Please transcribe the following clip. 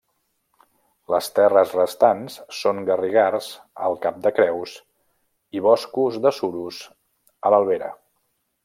Les terres restants són garrigars al cap de Creus i boscos de suros a l'Albera.